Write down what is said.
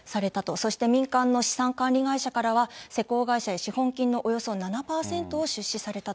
そして民間の資産会社からは施工会社へ資本金のおよそ７％を出資されたと。